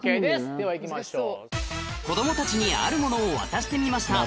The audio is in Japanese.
ではいきましょう。